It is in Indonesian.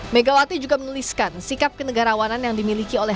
megawati juga menuliskan sikap kenegarawanan yang dimiliki oleh